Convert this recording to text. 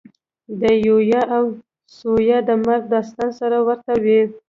د یویا او ثویا د مرګ داستان سره ورته وي.